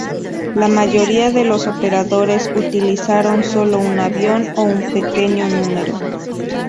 La mayoría de los operadores utilizaron solo un avión, o un pequeño número.